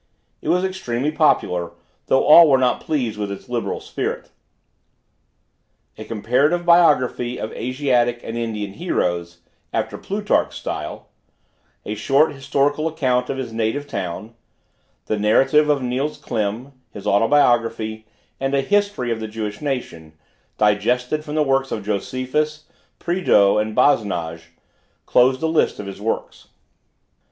It was extremely popular, though all were not pleased with its liberal spirit. A Comparative Biography of Asiatic and Indian Heroes, after Plutarch's style; A short Historical Account of his Native Town; The Narrative of Niels Klim; His Autobiography; and a History of the Jewish Nation, digested from the works of Josephus, Prideaux, and Basnage, close the list of his works.